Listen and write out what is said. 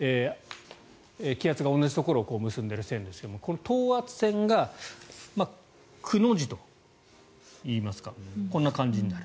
気圧が同じところを結んでいる線ですがこの等圧線が「く」の字といいますかこんな感じになる。